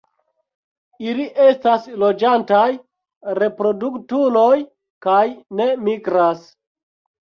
Ili estas loĝantaj reproduktuloj kaj ne migras.